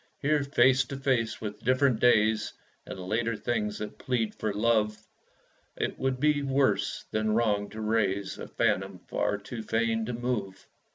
Here, face to face with different days, And later things that plead for love, It would be worse than wrong to raise A phantom far too fain to move.